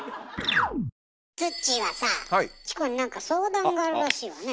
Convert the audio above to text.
つっちーはさぁチコになんか相談があるらしいわね。